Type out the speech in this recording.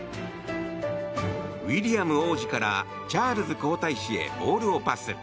ウィリアム王子からチャールズ皇太子へボールをパス。